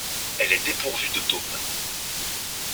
Elle est dépourvue de dôme.